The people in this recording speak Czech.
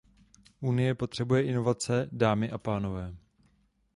Unie potřebuje inovace, dámy a pánové.